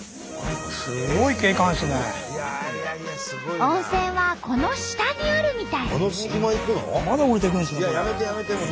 温泉はこの下にあるみたい。